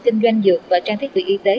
kinh doanh dược và trang thiết bị y tế